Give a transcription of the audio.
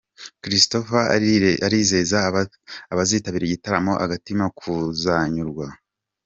Christopher arizeza abazitabira igitaramo Agatima kuzanyurwa.